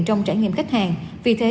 trong trải nghiệm khách hàng vì thế